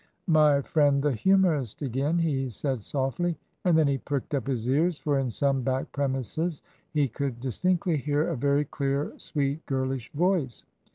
"My friend the humourist again," he said softly; and then he pricked up his ears, for in some back premises he could distinctly hear a very clear, sweet girlish voice.